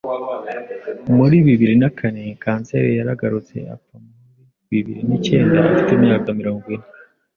Muri bibiri nakane, kanseri yaragarutse apfa mu ri bibiri nikenda afite imyaka mirongo ine.